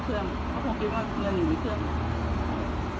เค้าคงคิดว่าเครื่องอยู่ไหน